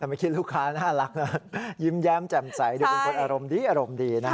แต่ไม่คิดลูกค้าน่ารักนะยิ้มแย้มแจ่มใสเผื่อเป็นคนอารมณ์ดีนะฮะ